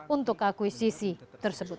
untuk akuisisi tersebut